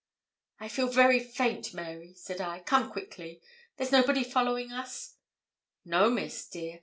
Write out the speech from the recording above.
'I feel very faint, Mary,' said I. 'Come quickly. There's nobody following us?' 'No, Miss, dear.